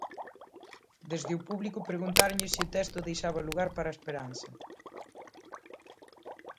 Desde o público, preguntáronlles se o texto deixaba lugar para a esperanza.